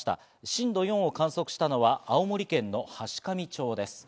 震度４を観測したのは青森県階上町です。